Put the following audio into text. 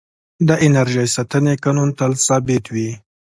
د انرژۍ ساتنې قانون تل ثابت وي.